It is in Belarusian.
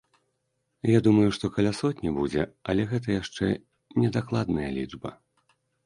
Я думаю, што каля сотні будзе, але гэта яшчэ не дакладная лічба.